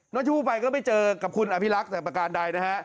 น้องชมพู่ไปก็ไม่เจอกับคุณอภิรักษ์แต่ประการใดนะฮะ